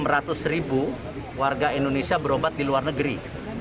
enam ratus ribu warga indonesia berobat di luar negeri